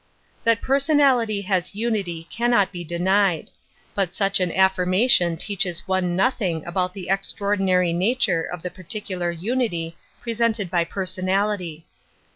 'J ,/ That personality has unity cannot be c ^ nied; but such an affirmation teaches cm nothing about the extraordinary nature o^ I the particular unity presented by per8on,4 ' ality.